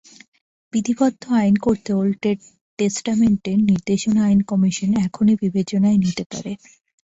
বিধিবদ্ধ আইন করতে ওল্ড টেস্টামেন্টের নির্দেশনা আইন কমিশন এখনই বিবেচনায় নিতে পারে।